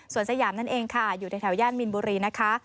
ส่วนสยามนั่นเองค่ะอยู่ในแถวย่านมินบุรีนะคะ